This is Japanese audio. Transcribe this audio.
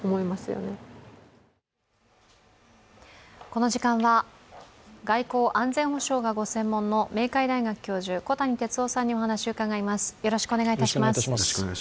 この時間は外交・安全保障がご専門の明海大学教授、小谷哲男さんにお話を伺います。